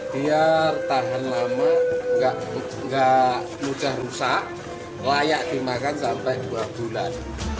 biar tahan lama nggak mudah rusak layak dimakan sampai dua bulan